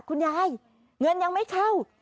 คุณยายเงินยังไม่เข้า